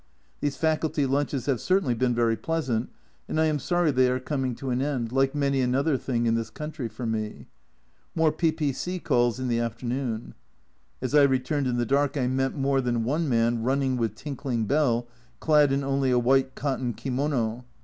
These Faculty lunches have certainly been very pleasant, and I am sorry they are coming to an end, like many another thing in this country for me. More P.P.C. calls in the afternoon. As I returned in the dark I met more than one man running with tinkling bell, clad in only a white cotton kimono.